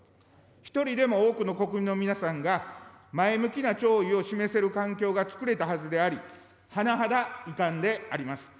１人でも多くの国民の皆さんが前向きな弔意を示せる環境が作れたはずであり、甚だ遺憾であります。